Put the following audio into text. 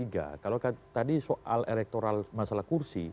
kalau tadi soal elektoral masalah kursi